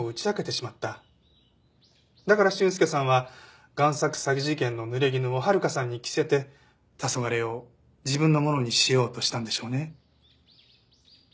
だから俊介さんは贋作詐欺事件の濡れ衣を温香さんに着せて『黄昏』を自分のものにしようとしたんでしょうね。